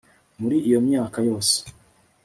muri iyo myaka yose